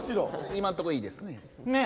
今んとこいいですねぇ。